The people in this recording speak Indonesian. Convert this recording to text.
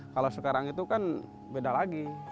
kalau sekarang itu kan beda lagi